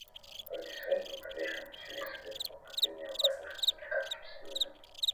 В этой связи мы поддерживаем усилия Совета по укреплению его партнерства с Африканским союзом.